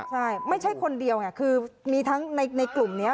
ใช่ไม่ใช่คนเดียวคือในกลุ่มนี้